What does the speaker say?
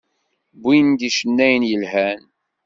Wwin-d icennayen yelhan.